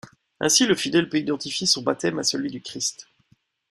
Ainsi, le fidèle peut identifier son baptême à celui du Christ.